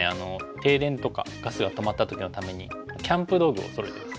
停電とかガスが止まった時のためにキャンプ道具をそろえてます。